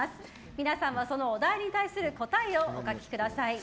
皆さんはそのお題に対する答えをお書きください。